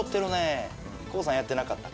ＫＯＯさんやってなかった。